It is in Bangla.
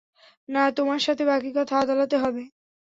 না, তোমার সাথে বাকী কথা আদালতে হবে।